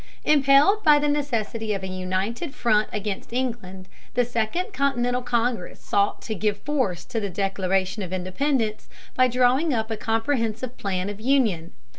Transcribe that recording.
Impelled by the necessity of a united front against England, the Second Continental Congress sought to give force to the Declaration of Independence by drawing up a comprehensive plan of union.